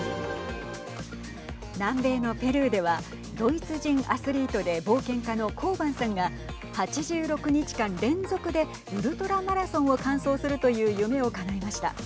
南米のペルーではドイツ人アスリートで冒険家のコーバンさんが８６日間連続でウルトラマラソンを完走するという夢をかなえました。